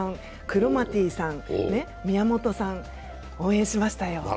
クロマティさん、宮本さん、応援しましたよ。